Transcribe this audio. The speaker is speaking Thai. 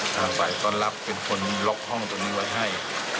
ทางไปตอนรับเป็นคนล็อคห้องตรงนี้ว่าให้